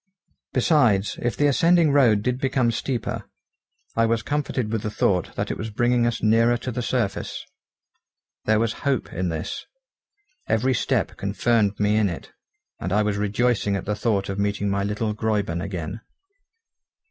Besides, if the ascending road did become steeper, I was comforted with the thought that it was bringing us nearer to the surface. There was hope in this. Every step confirmed me in it, and I was rejoicing at the thought of meeting my little Gräuben again.